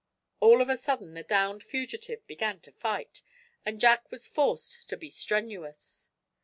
All of a sudden the downed fugitive began to fight, and Jack was forced to be strenuous.